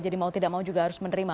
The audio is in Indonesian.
jadi mau tidak mau juga harus menerima